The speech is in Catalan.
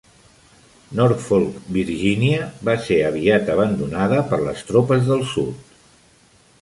Norfolk, Virginia, va ser aviat abandonada per les tropes del sud.